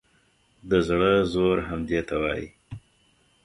د زړه زور همدې ته وایي.